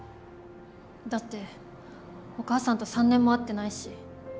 だってお母さんと３年も会ってないし。